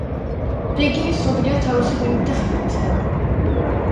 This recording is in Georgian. რეგიონი ცნობილია თავისი ღვინით და ხილით.